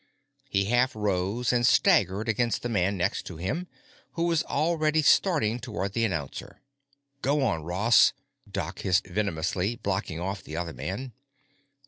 He half rose, and staggered against the man next to him, who was already starting toward the announcer. "Go on, Ross," Doc hissed venomously, blocking off the other man.